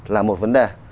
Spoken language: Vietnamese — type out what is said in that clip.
là một vấn đề